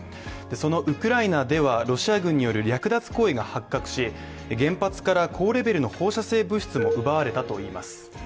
そのウクライナではロシア軍による略奪行為が発覚し、原発から高レベルの放射性物質も奪われたといいます。